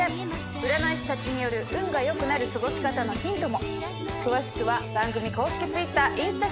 占い師たちによる運が良くなる過ごし方のヒントも。